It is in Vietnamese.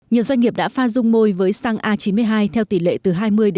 nhiều doanh nghiệp đã pha dung môi với xăng a chín mươi hai theo tỷ lệ từ hai mươi ba mươi